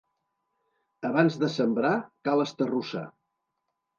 Abans de sembrar, cal esterrossar.